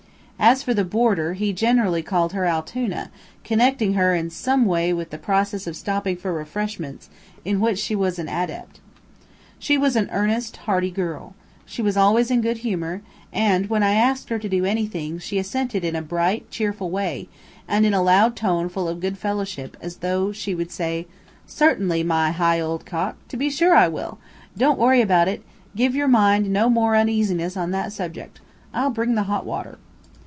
As for the boarder, he generally called her Altoona, connecting her in some way with the process of stopping for refreshments, in which she was an adept. She was an earnest, hearty girl. She was always in a good humor, and when I asked her to do anything, she assented in a bright, cheerful way, and in a loud tone full of good fellowship, as though she would say: "Certainly, my high old cock! To be sure I will. Don't worry about it give your mind no more uneasiness on that subject. I'll bring the hot water."